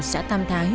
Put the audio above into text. xã tam thái